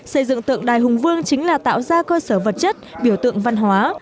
xây dựng tượng đài hùng vương chính là tạo ra cơ sở vật chất biểu tượng văn hóa